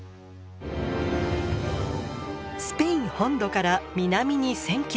スペイン本土から南に１，０００ｋｍ。